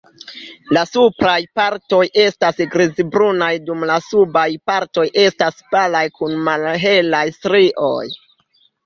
La supraj partoj estas grizbrunaj dum la subaj partoj estas palaj kun malhelaj strioj.